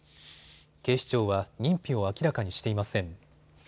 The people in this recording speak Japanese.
警視庁は認否を明らかにしていません。